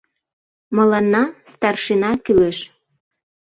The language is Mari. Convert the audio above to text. Мыланна старшина кӱлеш.